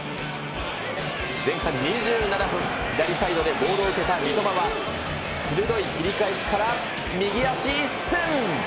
前半２７分、左サイドでボールを受けた三笘は、鋭い切り返しから右足一せん。